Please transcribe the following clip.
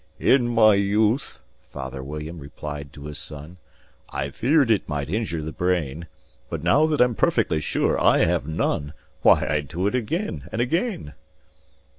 "In my youth," father William replied to his son, "I feared it might injure the brain; But, now that I'm perfectly sure I have none, Why, I do it again and again."